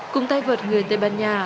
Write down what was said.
cùng tay vượt người tây ban nha